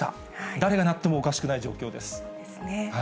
誰がなってもおかしくない状況でですね。